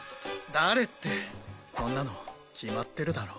誰ってそんなの決まってるだろ。